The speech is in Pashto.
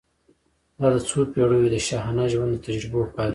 دا د څو پېړیو د شاهانه ژوند د تجربو پایله وه.